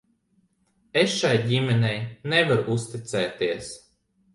Es šai ģimenei nevaru uzticēties.